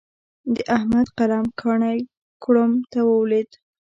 د احمد قلم کاڼی کوړم ته ولوېد.